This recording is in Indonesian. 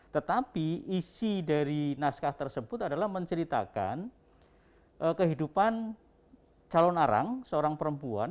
tetapi isi dari naskah tersebut adalah menceritakan kehidupan calon arang seorang perempuan